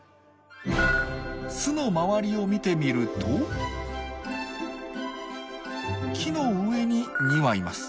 巣の周りを見てみると木の上に２羽います。